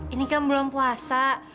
ini kan belum puasa